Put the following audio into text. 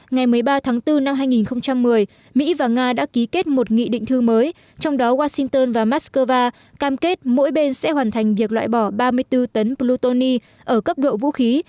ngày một mươi ba tháng bốn năm hai nghìn một mươi mỹ và nga đã ký kết một nghị định thư mới trong đó washington và moscow cam kết mỗi bên sẽ hoàn thành việc loại bỏ ba mươi bốn tấn plutoni ở cấp độ vũ khí